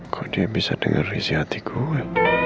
kok dia bisa denger risih hati gue